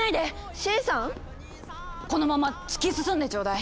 シエリさん⁉このまま突き進んでちょうだい！